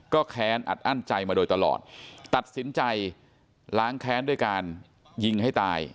แค้นอัดอั้นใจมาโดยตลอดตัดสินใจล้างแค้นด้วยการยิงให้ตาย